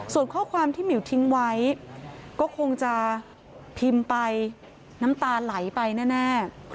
ส่วนข้อความที่หมิวทิ้งไว้ก็คงจะพิมพ์ไปน้ำตาไหลไปแน่